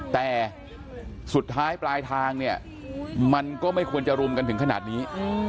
แต่สุดท้ายปลายทางเนี่ยมันก็ไม่ควรจะรุมกันถึงขนาดนี้